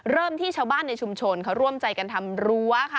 เริ่มที่ชาวบ้านในชุมชนเขาร่วมใจกันทำรั้วค่ะ